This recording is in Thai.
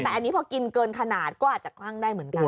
แต่อันนี้พอกินเกินขนาดก็อาจจะคลั่งได้เหมือนกัน